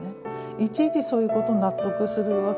いちいちそういうこと納得するわけですよ。